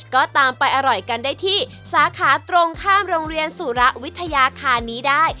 ก็ตามไปอร่อยกันได้ที่สาขาตรงข้ามโรงเรียนสุระวิทยาคารนี้ได้